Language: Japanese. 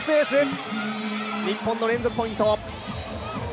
日本の連続ポイント。